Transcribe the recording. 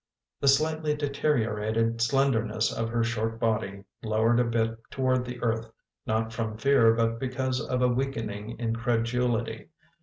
The slightly deteriorated slenderness of her short body lowered a bit toward the earth, not from fear but because of a weakening incredulity.